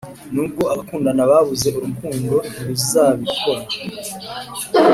nubwo abakundana babuze urukundo ntiruzabikora;